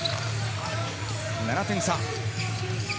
７点差。